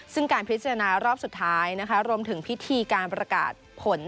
ซึ่งการพิจารณารอบสุดท้ายนะคะรวมถึงพิธีการประกาศผล